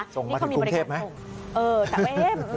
นี่เขามีบริการส่งส่งมาถึงกรุงเทพไหม